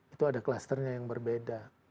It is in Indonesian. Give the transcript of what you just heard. itu ada klusternya yang berbeda